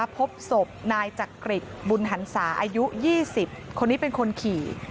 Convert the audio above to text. พบศพนายจักริตบุญหันศาอายุ๒๐คนนี้เป็นคนขี่